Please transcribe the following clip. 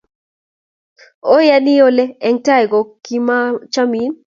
Oyoni Ole eng tai ko kimachomin